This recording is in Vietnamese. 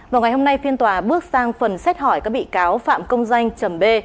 và ngày hôm nay phiên tòa bước sang phần xét hỏi các bị cáo phạm công danh chầm b